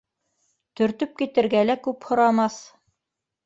Төртөп китергә лә күп һорамаҫ